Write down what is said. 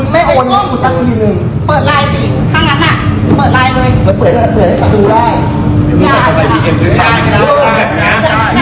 มึงลิกสะเทียดกูตลอดเวลามึงไม่โอยกูทั้งทีหนึ่ง